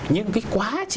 nhưng cái quá trình này